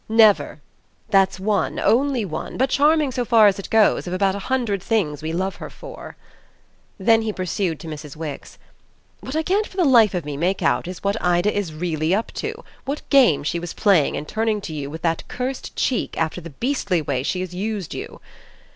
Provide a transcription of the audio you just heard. Never. That's one, only one, but charming so far as it goes, of about a hundred things we love her for." Then he pursued to Mrs. Wix: "What I can't for the life of me make out is what Ida is REALLY up to, what game she was playing in turning to you with that cursed cheek after the beastly way she has used you.